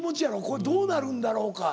「これどうなるんだろうか」。